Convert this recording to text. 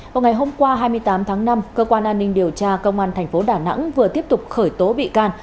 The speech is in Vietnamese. hôm nay hôm qua hai mươi tám tháng năm cơ quan an ninh điều tra công an tp đà nẵng vừa tiếp tục khởi tố bị can